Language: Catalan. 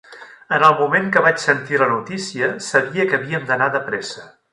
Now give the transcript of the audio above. En el moment que vaig sentir la notícia, sabia que havíem d'anar de pressa.